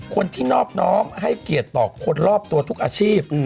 คนที่นอบน้อมให้เกียรติต่อคนรอบตัวทุกอาชีพ